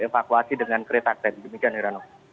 evakuasi dengan kereta tkp demikian rano